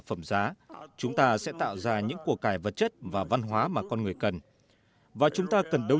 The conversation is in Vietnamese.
phẩm giá chúng ta sẽ tạo ra những cuộc cải vật chất và văn hóa mà con người cần và chúng ta cần đấu